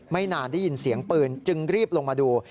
ไม่นานได้ยินเสียงปืนจึงรีบลงมาดู